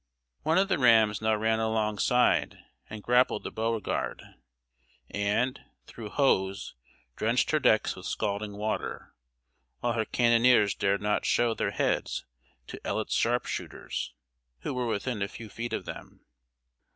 One of the rams now ran alongside and grappled the Beauregard, and, through hose, drenched her decks with scalding water, while her cannoneers dared not show their heads to Ellet's sharpshooters, who were within a few feet of them.